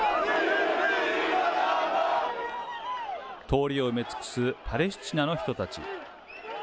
通りを埋め尽くす、パレスチナの人たち。